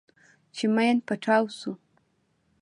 چې ماين پټاو سو.